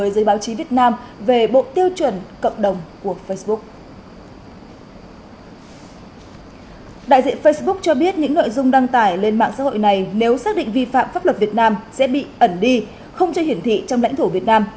đại diện facebook cho biết những nội dung đăng tải lên mạng xã hội này nếu xác định vi phạm pháp luật việt nam sẽ bị ẩn đi không cho hiển thị trong lãnh thổ việt nam